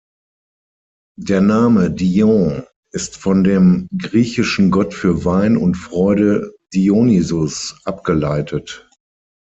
Der Name Dion ist von dem griechischen Gott für Wein und Freude Dionysus abgeleitet.